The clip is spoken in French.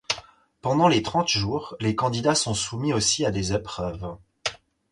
Pendant les trente jours, les candidats sont soumis aussi à des épreuves.